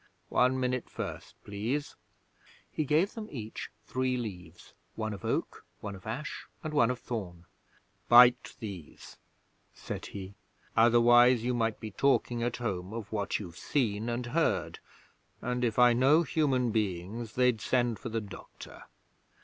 One minute first, please.' He gave them each three leaves one of Oak, one of Ash and one of Thorn. 'Bite these,' said he. 'Otherwise you might be talking at home of what you've seen and heard, and if I know human beings they'd send for the doctor.